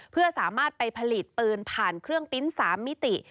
เพื่อสามารถไปผลิตปืนผ่านเครื่องปริ้นต์๓มิติ